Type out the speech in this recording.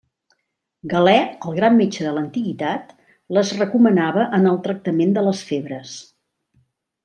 Galè, el gran metge de l'Antiguitat, les recomanava en el tractament de les febres.